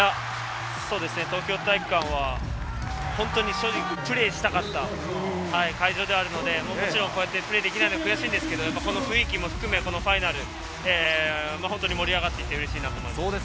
東京体育館は正直プレーしたかった会場ではあるので、できないのは悔しいんですけれども、この雰囲気を含め、このファイナル、盛り上がっていって嬉しいなと思います。